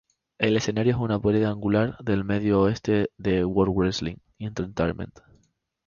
El escenario es una piedra angular del medio oeste de World Wrestling Entertainment.